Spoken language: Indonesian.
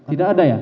tidak ada ya